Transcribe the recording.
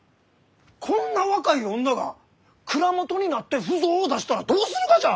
こんな若い女が蔵元になって腐造を出したらどうするがじゃ！？